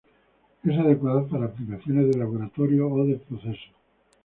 Es adecuado para aplicaciones de laboratorio o de procesos.